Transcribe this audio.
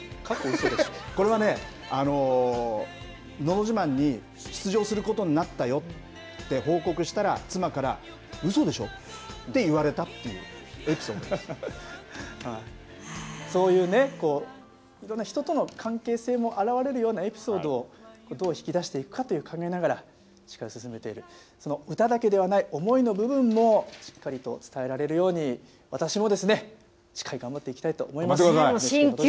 これはね、のど自慢に出場することになったよって報告したら、妻からうそでしょ？って言われたそういうね、人との関係性もあらわれるようなエピソードをどう引き出していくということを考えながら、司会を進めている、その歌だけではない、思いの部分もしっかりと伝えられるように、私もしっかり頑張っていきたいと思います。